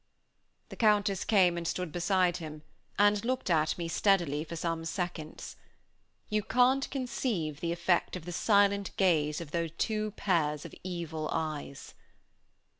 The Countess came and stood beside him, and looked at me steadily for some seconds. You can't conceive the effect of the silent gaze of those two pairs of evil eyes.